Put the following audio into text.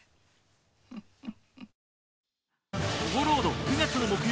フフフ。